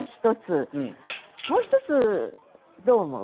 もう一つどう思う？